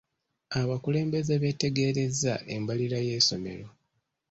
Abakulembeze beetegerezza embalirira y'essomero.